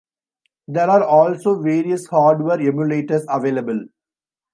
There are also various hardware emulators available.